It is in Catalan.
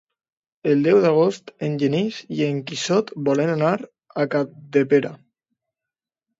El deu d'agost en Genís i en Quixot volen anar a Capdepera.